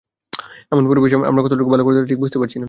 এমন পরিবেশে আমরা কতটা ভালো করতে পারব ঠিক বুঝতে পারছি না।